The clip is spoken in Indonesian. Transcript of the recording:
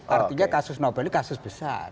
artinya kasus novelnya kasus besar